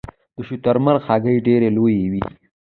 د شترمرغ هګۍ ډیره لویه وي